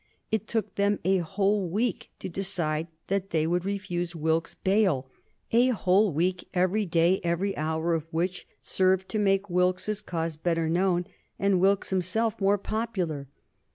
It took them a whole week to decide that they would refuse Wilkes bail a whole week, every day, every hour of which served to make Wilkes's cause better known and Wilkes himself more popular.